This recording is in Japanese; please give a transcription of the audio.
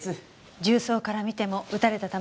銃創から見ても撃たれた弾は別です。